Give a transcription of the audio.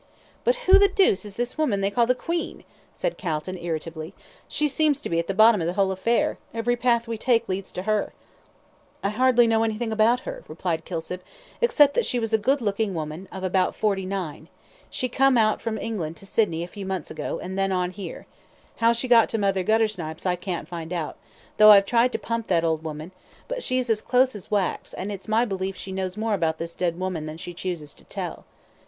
"But who the deuce is this woman they call the 'Queen'?" said Calton, irritably. "She seems to be at the bottom of the whole affair every path we take leads to her." "I know hardly anything about her," replied Kilsip, "except that she was a good looking woman, of about forty nine she come out from England to Sydney a few months ago, then on here how she got to Mother Guttersnipe's I can't find out, though I've tried to pump that old woman, but she's as close as wax, and it's my belief she knows more about this dead woman than she chooses to tell."